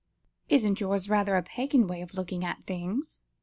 "Isn't yours rather a pagan way of looking at things?"